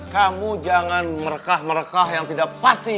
kamu jangan merekah mereka yang tidak pasti